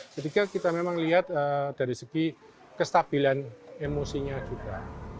ketika kita memang lihat dari segi kestabilan emosinya juga